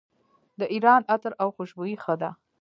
د ایران عطر او خوشبویي ښه ده.